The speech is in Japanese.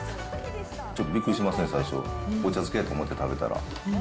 ちょっとびっくりしますね、お茶漬けやと思って食べたら。